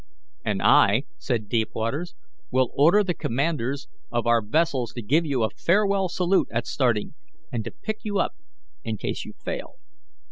"And I," said Deepwaters, "will order the commanders of our vessels to give you a farewell salute at starting, and to pick you up in case you fail.